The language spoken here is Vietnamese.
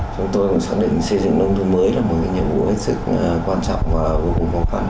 chúng tôi cũng xác định xây dựng nông thôn mới là một nhiệm vụ hết sức quan trọng và vô cùng khó khăn